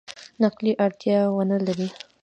نقلي اړتیا ونه لري.